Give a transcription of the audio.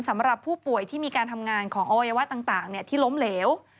สำหรับผู้ป่วยที่มีการทำงานของอวัยวะต่างที่ล้มเหลว